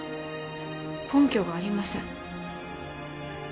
根拠がありません。